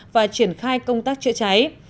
và triển khai công tác chữa cháy